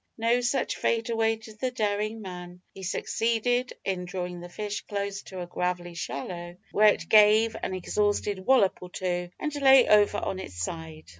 No such fate awaited the daring man. He succeeded in drawing the fish close to a gravelly shallow, where it gave an exhausted wallop or two, and lay over on its side.